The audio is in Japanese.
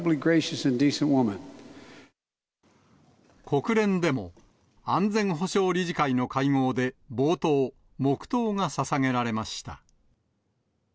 国連でも、安全保障理事会の会合で冒頭、黙とうがささげられました。